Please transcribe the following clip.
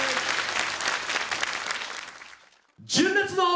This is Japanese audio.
純烈の。